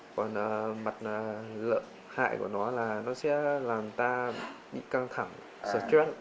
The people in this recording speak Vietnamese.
còn mặt lợi hại của nó là nó sẽ làm người ta bị căng thẳng stress